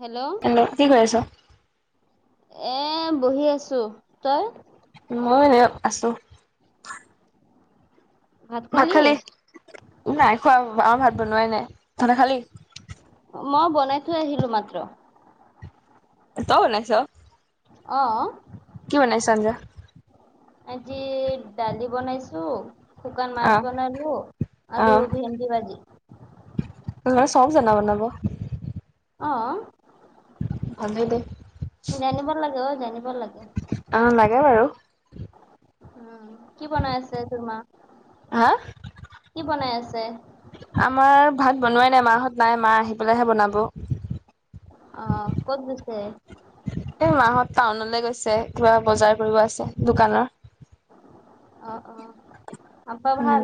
Hello! Hello! কি কৰি আছ? এ, বহি আছোঁ। তই? মই সেয়া আছো। ভাত খালি? নাই খোৱা, আমাৰ ভাত বনোৱাই নাই। তহঁতে খালী? মই বনাই থৈ আহিলো মাত্ৰ। তই বনাইছ? অ। কি বনাইছ আঞ্জা? আজি ডালি বনাইছো শুকান মাছ অ' বনালো আৰু অ' ভেন্দি ভাজি। [unintelligible] চব জানা বনাব। অ'। ভালেই দে। জানিব লাগে অ', জানিব লাগে। অ' লাগে বাৰু। উম, কি বনাই আছে তোমাৰ? হা? কি বনাই আছে? আমাৰ ভাত বনোৱাই নাই, মাহঁত নাই মা আহি পেলাইহে বনাব। অ', ক'ত গৈছে। এই মাহত টাউনলে গৈছে, কিবা বজাৰ কৰিব আছে দোকানৰ। অহ অ', আপ্পা ভাল? উম।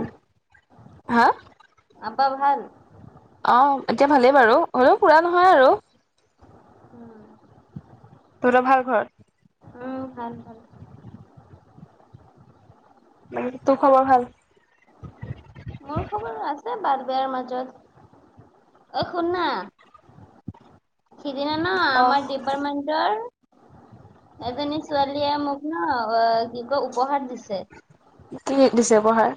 হা? আপ্পা ভাল? অ', এতিয়া ভালেই বাৰু হলেও পুৰা নহয় আৰু। উম। তহতৰ ভাল ঘৰত? উম, ভাল ভাল। মানে তোৰ খবৰ ভাল? মোৰ খবৰ আছে ভাল বেয়াৰ মাজত। অ', শুননা সিদিনা ন, অ' আমাৰ ডিপাৰ্টমেন্টৰ এজনী ছোৱালীয়ে মোক ন, অ', কি কয় উপহাৰ দিছে। কি দিছে উপহাৰ?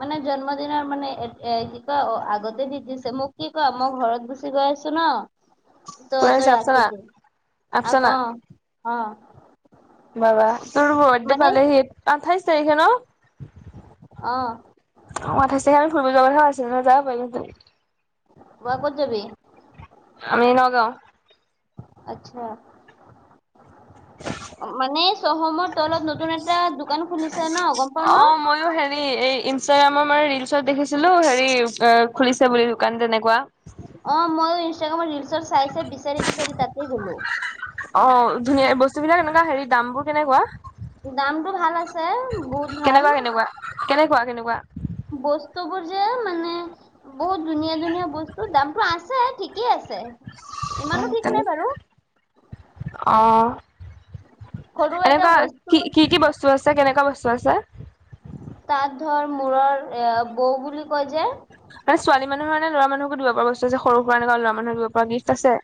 মানে জন্মদিনৰ মানে এ-এ কি কয় আগতে দি দিছে মোক কি কৈ মই ঘৰত গুচি গৈ আছো ন, তোৰ ত' আহিছে তই আফচানা ৰাখি দে আ, আফচানা অহ। অহ। বা বা, তোৰ বাৰ্থডে পালেহি, আঠাইশ তাৰিখে ন? অ'। অ', আঠাইছ চাগে আমি ফুৰিব যোৱা কথাও আছিলে, তই যাব পাৰিলি হেতেন। কোৱা ক'ত যাবি? আমি নগাঁও। আচ্চা। মানে চৌহমৰ তলত নতুন এটা দোকান খুলিছে ন, গম পাও ন। এ-এই ইনষ্টাগ্ৰামৰ মানে ৰিলচত দেখিছিলো, হেৰি খুলিছে বুলি দোকান তেনেকুৱা। অ', মই ইনষ্টাগ্ৰামৰ ৰিলচৰ চাই, চাই, বিচাৰি, বিচাৰি তাতে গ'লো। অ', অ', ধুনীয়া বস্তু বিলাক এনেকুৱা হেৰি দাম বোৰ কেনেকুৱা? দামটো ভাল আছে। বহুত কেনেকুৱা ভাল কেনেকুৱা? কেনেকুৱা কেনেকুৱা? বস্তুবোৰযে মানে বহুত ধুনীয়া ধুনীয়া বস্তু, দামটো আছে ঠিকেই আছে। [unintelligible] ইমানো ঠিক অহ। নাই বাৰু সৰু এটা এনেকুৱা বস্তু কি, কি কি বস্তু আছে, কেনেকুৱা বস্তু আছে? তাত ধৰ মূৰৰ এ বৌ বুলি কয় যে মানে ছোৱালী মানুহৰ নে ল'ৰা মানুহকো দিব পৰা বস্তু আছে, সৰু-সুৰা এনেকুৱা ল'ৰা মানুহ দিব পৰা গিফট আছে।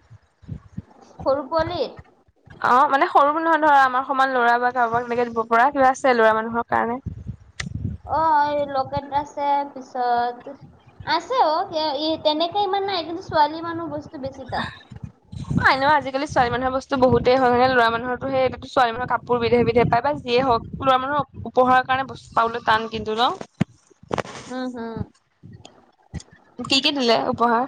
সৰু পোৱালি অহ' মানে সৰু বুলি নহয় নহয়, ধৰা আমাৰ সমান ল'ৰা বা কাৰোবাক এনেকে দিব পৰা কিবা আছে, ল'ৰা মানুহৰ কাৰণে। অহ' এই লকেট আছে, পিছত। আছে অহ' ইয়া ইত তেনেকে ইমান নাই কিন্তু ছোৱালী মানুহ বস্তু বেছি তাত। হয় ন, আজিকালি ছোৱালী মানুহৰ বস্তু বহুতে হয় নে, ল'ৰা মানুহটো সেই। ছোৱালী মানুহ কাপোৰ বিধে বিধে পায় বা যিয়ে হওঁক, ল'ৰা মানুহ উপহাৰ কাৰণে বস্তু পাবলৈ টান কিন্তু ন। উম হম। কি কি দিলে উপহাৰ।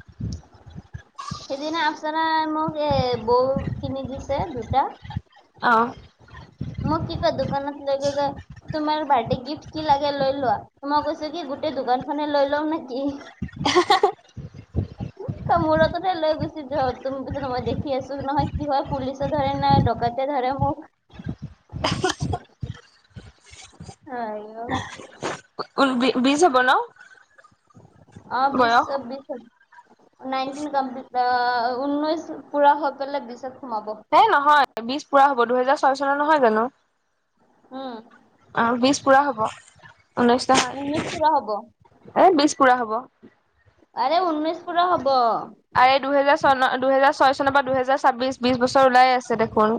[unintelligible] সেইদিনা আপচাৰ মোক এ, বৌ কি [unintelligible] নি দিছে দুটা। অহ। মোক কি কয়, দোকানত লৈ গৈ কয়। তোমাৰ বাৰ্থডে গিফ্ট কি লাগে লৈ লোৱা, মই কৈছো কি গোটেই দোকান খনে লৈ লও নে কি। হুেহ। [unintelligible] তই মূৰতাতে লৈ গুচি যোৱা তোম তোম মই দেখি আছো নহয় কি হয়, পুলিচ ধৰে নাই ডকাইতে ধৰে মোক। [unintelligible] হয় আও। উ উল বি বিচ হ'ব ন। অহ' বিচ বয়স? অ বিচ হয়। নাইনটিন কমপ্লিট অহ, ঊনৈশ পুৰা হৈ গলে বিচত সোমাব। এই নহয় বিশ পুৰা হ'ব, দুহেজাৰ ছয় চনৰ নহয় জানোঁ। উম। অহ, বিশ পুৰা হ'ব ঊনৈছ নহয়। বিশ পুৰা হ'ব। এই বিছ পুৰা হ'ব। আৰে ঊনৈছ পুৰা হব। আৰে দুহেজাৰ চন দুহেজাৰ ছয় চনৰ পৰা দুহেজাৰ ছাব্বিশ বিশ বছৰ ওলাই আছে দেখোন।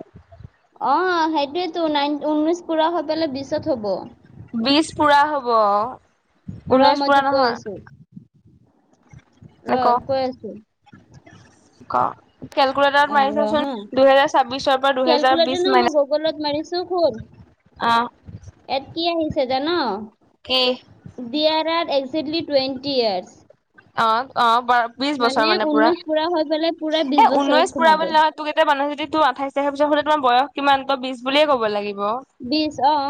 অহ সেইটোৱেতো নাইন ঊনৈশ পুৰা হৈ পেলাই বিশত হ'ব। বিশ পুৰা হ'ব ৰ ঊনৈশ মই পুৰা তোক কৈ আছো নহয়। মানে ৰ ক কৈ আছো ক। অ কেলকুলেটাৰত ৰ মাৰিলে চোন হা দুহেজাৰ ছাব্বিশৰ পৰা দুহেজাৰ কেলকুলেটৰ বিশ নহয় মই মাই। গুগলত মাৰিছো অহ। এডটি আহিছে যে ন। কি। ডিয়াৰ আৰ একসেটলি টুৱেণ্টি ইয়েৰ্ছ। অহ অহ বাৰ বিশ বছৰ মানে পুৰা ঊনৈশ হৈ পেলাই পুৰা বিশ এ বছৰত ঊনৈশ পুৰা সোমাব বুলি নহয়। তোক এতিয়া মানুহ যদি তোৰ আঠাইছ তাৰিখ পিছত হলে তোমাৰ বয়স কিমান তই বিশ বুলিয়ে ক'ব লাগিব। বিশ অহ।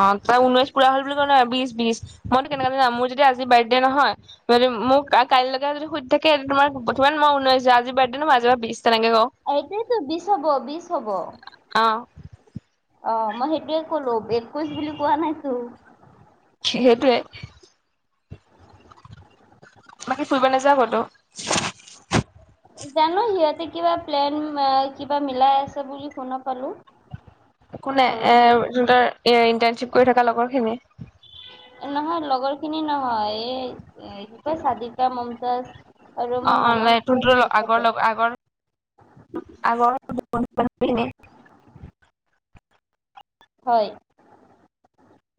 অহ তই ঊনৈশ পুৰা হল বুলি কলে বিশ বিশ মইতো কেনেকা মোৰ যদি। আজি বাৰ্থডে নহয়। কোনো‌‌ যদি কা কাইলৈকে যদি সুধি থাকে তোমাৰ বৰ্তমান মই উনৈশ আজি বাৰ্থডে ন আজিৰ পৰা বিশ তেনেকে কওঁ। এইটোৱে তো বিশ হ'ব বিশ হ'ব। অহ। অহ মই সেইটোৱে কলো একৈশ বুলি কোৱা নাই‌তো। খে সেইটোৱে। বাকী ফুৰিব নাযাওঁ ক'তো? জানো সিহঁতে কিবা প্লেন কিবা মিলাই আছে বুলি শুনা পালোঁ। কোনে এাৰ ইণ্টাৰণশ্বিপ কৰি থকা লগৰ খিনি। নহয় লগৰ খিনি নহয় এই চাদিকা মমতজ। অ অ ত আগৰ লগ আগৰ আগৰ হয়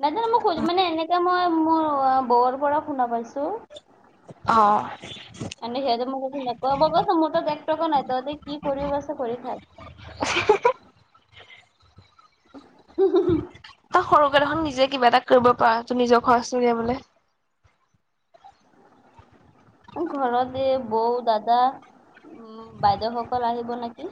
নান মোক মানে এনে মই মোৰ বৌৰ পৰা শুনা পাইছোঁ। অ, আ সেইয়া যে মোক নক বাবাছ মোৰ ত এক টকা নাই তহতি কি কৰিব আছে কৰি খাক? [unintelligible] উম, উম, উম তই সৰুকে দেখ নিজে কিবা এটা কৰিব পাৰা ত নিজৰ খৰচ উলিয়াবলে। ঘৰতে বৌ দাদা। উ বাইদেউসকল আহিব নেকি?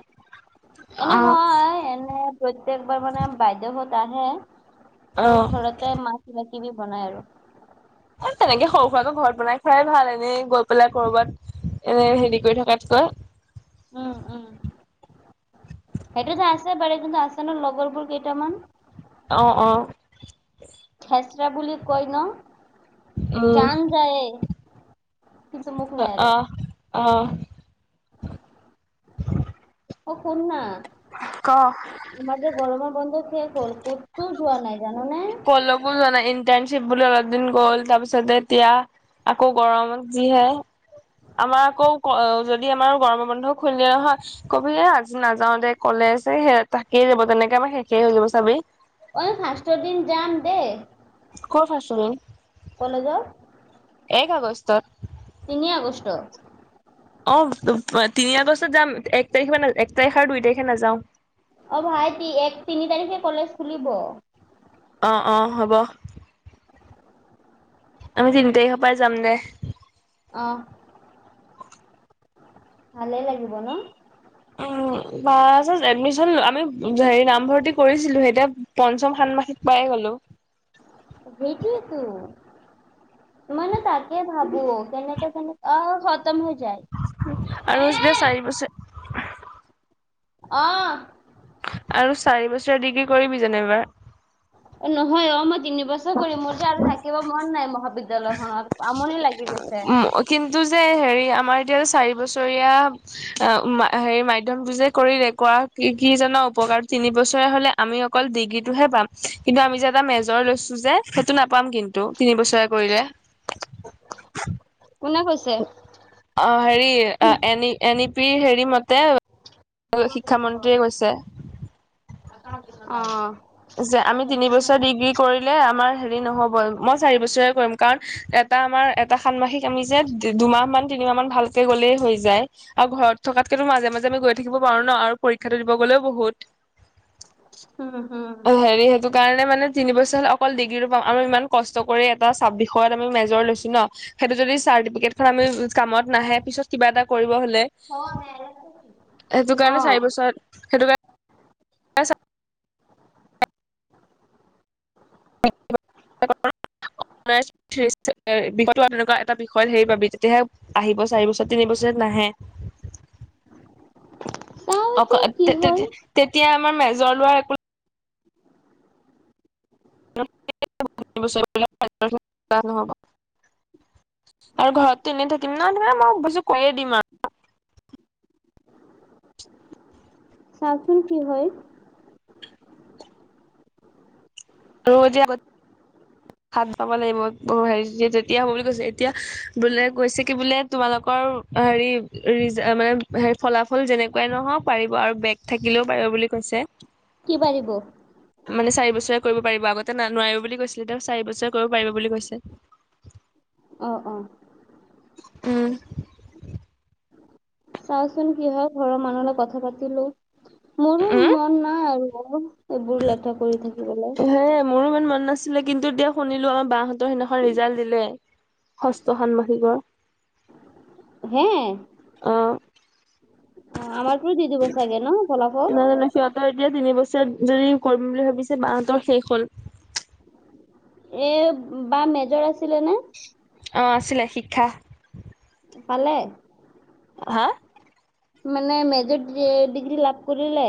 এনে অ হয় এনে প্ৰত্যেকবাৰ মানে বাইদেহত আহে। আৰু ঘৰতে মাখ মাখি বি বনাই আৰু এ তেনেকে সৰু সুৰাটো ঘৰত বনাই খুৱোৱাই ভাল এনেই গৈ পেলাই কৰবাত। এনে হেৰি কৰি থকাতকৈ। উম উম [inaudible] সেইটোতো আছে পাৰি কিন্তু আছে ন লগৰবোৰ কেইটামান। অ, অ, খেচৰা বুলি কইন উম জান যায়। কিন্তু মোক অ, নেৰে অ, অ, অ শোন না ক, আমাৰ যে গৰমৰ বন্ধ থিয় ক'ল কতু যোৱা নাই জানো নাই। কলো গলো যোৱা নাই ইণ্টাৰ্ণশ্বিপ বুলি অলপ দিন গ'ল তাৰপিছতে এতিয়া আকৌ গৰমত যিহে আমাৰ আকৌ যদি আমাৰ গৰম বন্ধ খুলিলে নহয়। কবি আজি নাযাও দে কলে যে ত থাকেইে যাব তেনেকে আমাৰ শেষেই হৈ যাব চাবি ঐ, ফাৰ্ষ্টৰ দিন যাম দেই। ক'ৰ ফাৰ্ষ্টৰ দিন? ক'লেজৰ। এক আগষ্টত। তিনি আগষ্ট। অহ, তিনি আগষ্টত যাম, এক তাৰিখৰ পৰা, এক তাৰিখ আৰু দুই তাৰিখে নাযাওঁ। অ', ভাইতি, এক তিনি তাৰিখে কলেজ খুলিব। অ', অ', হ'ব। আমি তিনি তাৰিখৰ পৰা যাম দে। অহ। ভালেই লাগিব ন'। উম, বা এডমিচন আমি হেৰি নামভৰ্তি কৰিছিলোহে, এতিয়া পঞ্চম সন্মাসিক পাই গ'লো। সেইটোৱেইতো। মানে তাকেই ভাবো, কেনেকা কেনেকা অ', খতম হৈ যায়। আৰু যেতিয়া চাৰি বছৰ অহ। আৰু চাৰি বছৰীয়া ডিগ্ৰী কৰিবি জানো এইবাৰ? নহয় অ', মই তিনি বছৰ কৰিম, মোৰযে আৰু থাকিব মন নাই মহাবিদ্যালয়খনত, আমনি লাগি গৈছে। উম, কিন্তু যে, হেৰি, আমাৰ এতিয়া চাৰি বছৰীয়া অ', হেৰি মাধ্যমটোযে কৰিলে, কৰা কি কি জানা উপকাৰ? তিনি বছৰিয়া হ'লে আমি অকল ডিগ্ৰীটোহে পাম, কিন্তু আমি যে এটা মেজৰ লৈছো যে, সেইটো নাপাম কিন্তু, তিনি বছৰিয়া কৰিলে। কোনে কৈছে? অ', হেৰি, অ', এন ই, এন ই পিৰ হেৰি মতে শিক্ষামন্ত্ৰীয়ে কৈছে। অহ। যে আমি তিনি বছৰ ডিগ্ৰী কৰিলে আমাৰ হেৰি নহ'বই, মই চাৰি বছৰিয়া কৰিম, কাৰণ এটা আমাৰ এটা ষান্মাসিক আমি যে, দুমাহ মান তিনিমাহ মান ভালকে গ'লেই হৈ যায়। আৰু ঘৰত থকাতকেতো মাজে মাজে আমি গৈ থাকিব পাৰো ন', আৰু পৰীক্ষাটো দিব গ'লেও বহুত। উম, হুম। হেৰি সেইটো কাৰণে মানে তিনি বছৰ হ'লে, অকল ডিগ্ৰীটো পাম আৰু ইমান কষ্ট কৰি এটা চাব বিষয়ত আমি মেজৰ লৈছো ন'। সেইটো যদি চাৰ্টিফিকেট খন আমি কামত নাহে, পিছত কিবা এটা কৰিব হ'লে হম সেইটো কাৰণে অ চাৰি বছৰত, সেইটো কাৰণে [unintelligible] [unintelligible] বিষয় এনেকুৱা এটা বিষয়ত হেৰি পাবি তেতিয়াহে আহিব চাৰি বছৰত, তিনি বছৰত নাহে। চাও অক এতিয়া কি হ'ল তেতিয়া আমাৰ মেজৰ লোৱা একো [unintelligible] নহব। আৰু ঘৰততো এনেই থাকিম ন', মানে মই ভাবিছোঁ, কৰিয়েই দিম আৰু। চাওচোন কি হয়। ৰো যে আগত হাত পাব লাগিব, হেৰি তেতিয়া হ'ব বুলি কৈছে, এতিয়া বোলে কৈছে কি বোলে তোমালোকৰ হেৰি ৰিজ মানে হে ফলাফল যেনেকুৱাই নহওক, পাৰিব আৰু বেগ থাকিলেও পাৰিব বুলি কৈছে। [inaudible] কি পাৰিব? মানে চাৰি বছৰিয়া কৰিব পাৰিব, আগতে না নোৱাৰিব বুলি কৈছিলে, এতিয়া চাৰি বছৰীয়া কৰিব পাৰিব বুলি কৈছে। অ', অ'। উম। চাওচোন কি হয়, ঘৰৰ মানুহৰ লগত কথা পাতি লওঁ। মোৰো উম মন নাই আৰু এইবোৰ লেঠা কৰি থাকিবলে। সে মোৰো ইমান মন নাছিল। কিন্তু এতিয়া শুনিলো আম বাহ হঁতৰ সেইদিনা ৰিজাল্ট দিলে, ষষ্ঠ ষান্মাসিকৰ। হে? অ'। অ', আমাৰতো দি দিব ছাগে ন' ফলাফল? নাজানো সিহঁতৰ এতিয়া তিনি বছৰিয়া যদি কৰিম বুলি ভাবিছে বাহঁতৰ শেষ হ'ল। এই বা মেজৰ আছিলেনে? অ', আছিলে শিক্ষা। পালে? হা মানে মেজৰ ডিগ্ৰী লাভ কৰিলে।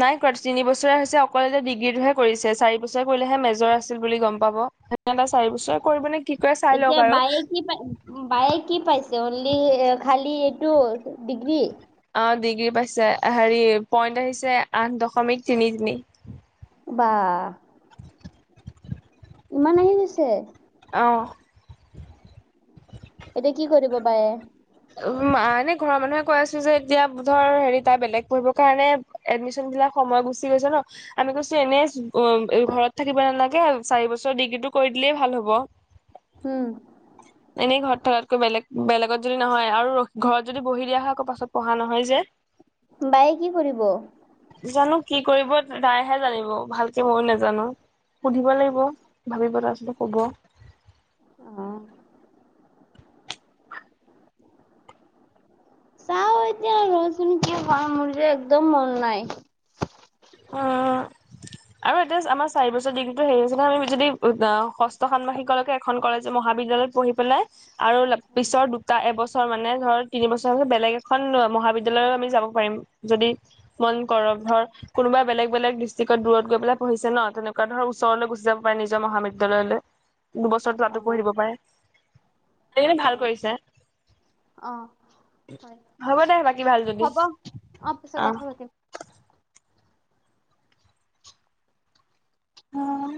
নাই কৰা তিনি বছৰ হৈছে অকল এতিয়া ডিগ্ৰীটোহে কৰিছে। চাৰি বছৰ কৰিলেহে মেজৰ আছিল বুলি গম পাব। হেতে চাৰি বছৰ কৰিব নে কি কৰে চাই লওক এতিয়া আৰু। বায়ে কি বায়ে কি পাইছে অনলি খালি এইটো ডিগ্ৰী। অ ডিগ্ৰী পাইছে হেৰি পইন্ট আহিছে আঠ দশমিক তিনি তিনি। বা ইমান আহি গৈছে। অহ [inaudible] এতিয়া কি কৰিব বায়ে? উ এনে ঘৰৰ মানুহে কৈ আছে যে এতিয়া ধৰ হেৰি তাই বেলেগ পঢ়িবৰ কাৰণে এডমিচন বিলাক সময় গুচি গৈছে ন আমি কৈছো এনে ঘৰত থাকিব নালাগে চাৰি বছৰ ডিগ্ৰীটো কৰি দিলেই ভাল হব। উম এনেই ঘৰত থকাতকৈ বেলেগ বেলেগত যদি নহয় আৰু ঘৰত যদি বহি দিয়া হয় আকৌ পাছত পঢ়া নহয় যে বায়ে কি কৰিব? জানো কি কৰিব তাইহে জানিব ভালকে ময়ো নাজানো। সুধিব লাগিব ভাবিব তাৰপিছত ক'ব। আহ [unintelligible] চাওঁ এতিয়া ৰচুন কি হয় মোৰ যে একদম মন নাই। আহ আৰু এতিয়া আমাৰ চাৰি বছৰ ডিগ্ৰীটো সেৰি হৈছে আমি যদি ষষ্ঠ ষান্মাসিকলৈকে এখন কলেজ মহাবিদ্যালয়ত পঢ়ি পেলাই আৰু পিছৰ দুটা এবছৰ মানে ধৰ তিন বছৰ পিছত বেলেগ এখন মহাবিদ্যালয়ত আমি যাব পাৰিম যদি মন কৰ ধৰ কোনোবা বেলেগ বেলেগ ডিষ্ট্ৰিক্টত দূৰত গৈ পেলে পঢ়িছে ন তেনেকুৱা ধৰ ওৰলৈ গুচি যাব পাৰে নিজৰ মহাবিদ্যালয়লৈ দুবছৰ তাটো অ', পঢ়িব পাৰে। তেনে ভাল অ'। কৰিছে। অ', হয় হ'ব দে বাকী ভাল যদি। হ'ব অ' পিছত আহ কথা পাতিম। অ